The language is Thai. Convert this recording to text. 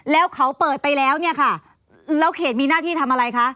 แล้วเขาเปิดไปแล้วเนี่ยค่ะแล้วเขตมีหน้าที่ทำอะไรคะ